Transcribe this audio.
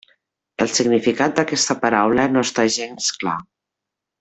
El significat d'aquesta paraula no està gens clar.